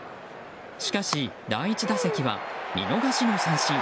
しかし、第１打席は見逃しの三振。